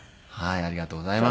ありがとうございます。